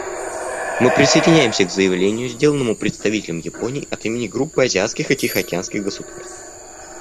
Мы присоединяемся к заявлению, сделанному представителем Японии от имени Группы азиатских и тихоокеанских государств.